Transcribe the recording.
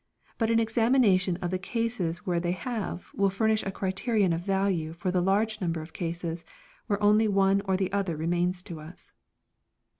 But an examination of the cases where they have will furnish a criterion of value for the large number of cases where only the one or the other remains to us.